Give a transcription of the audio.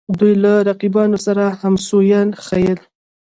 دوی له رقیبانو سره همسویه ښييل